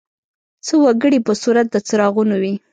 څه وګړي په صورت د څراغونو وي.